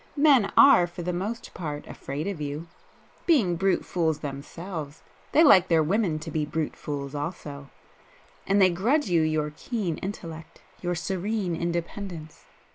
Men are for the most part afraid of you,—being brute fools themselves, they like their women to be brute fools also,—and they grudge you your keen intellect,—your serene independence.